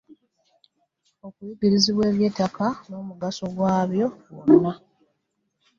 Okuyigirizibwa eby'ettaka n'omugaso gwabyo gwonna.